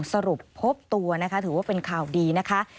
สรุปพบตัวนะคะถือว่าเป็นข่าวดีนะคะ